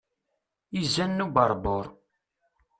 Izan n uberbur.